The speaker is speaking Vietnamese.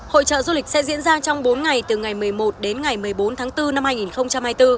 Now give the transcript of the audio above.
hội trợ du lịch sẽ diễn ra trong bốn ngày từ ngày một mươi một đến ngày một mươi bốn tháng bốn năm hai nghìn hai mươi bốn